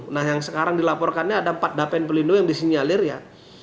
nah yang sekarang dilaporkannya ada empat dapen pelindung yang disinyalir ya